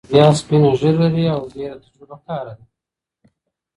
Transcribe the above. رابعه سپینه ږیره لري او ډېره تجربه کاره ده.